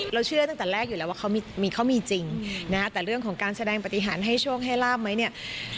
เชื่อตั้งแต่แรกอยู่แล้วว่าเขามีจริงนะฮะแต่เรื่องของการแสดงปฏิหารให้โชคให้ลาบไหมเนี่ย